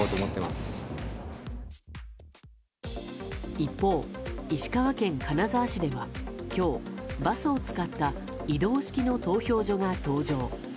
一方、石川県金沢市では今日、バスを使った移動式の投票所が登場。